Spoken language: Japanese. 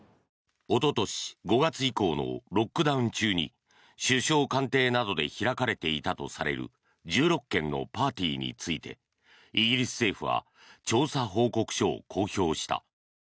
おととし５月以降のロックダウン中に首相官邸などで開かれていたとされる１６件のパーティーについてイギリス政府は調査報告書を公表した。